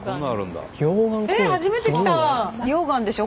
溶岩でしょ？